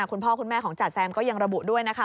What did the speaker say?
คุณพ่อคุณแม่ของจ๋าแซมก็ยังระบุด้วยนะคะ